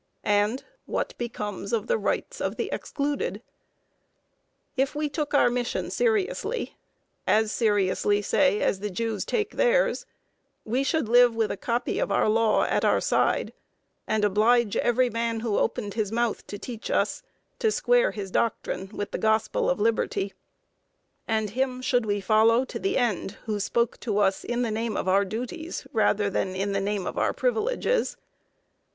And what becomes of the rights of the excluded? If we took our mission seriously, as seriously, say, as the Jews take theirs, we should live with a copy of our law at our side, and oblige every man who opened his mouth to teach us, to square his doctrine with the gospel of liberty; and him should we follow to the end who spoke to us in the name of our duties, rather than in the name of our privileges.